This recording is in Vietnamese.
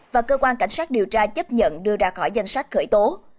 và cơ quan cảnh sát điều tra chấp nhận đưa ra khỏi danh sách khởi tố